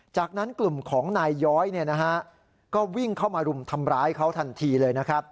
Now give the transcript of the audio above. จากนั้นกลุ่มของนายย้อยก็วิ่งเข้ามารุมทำร้ายเขาทันทีเลยนะครับ